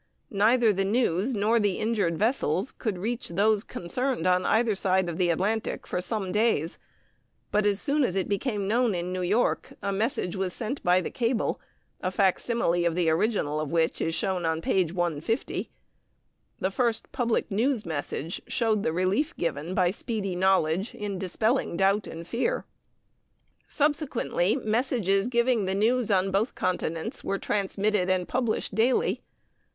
Neither the news nor the injured vessels could reach those concerned on either side of the Atlantic for some days; but as soon as it became known in New York a message was sent by the cable, a facsimile of the original of which is shown on p. 150. This first public news message showed the relief given by speedy knowledge in dispelling doubt and fear. Subsequently messages giving the news on both continents were transmitted and published daily.